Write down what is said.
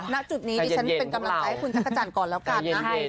ณจุดนี้ดิฉันเป็นกำลังใจให้คุณจักรจันทร์ก่อนแล้วกันนะ